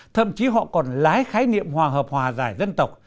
thậm chí họ còn lái khái niệm hòa hợp hòa giải dân tộc